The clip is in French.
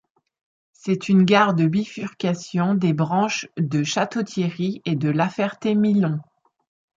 C'est une gare de bifurcation des branches de Château-Thierry et de La Ferté-Milon.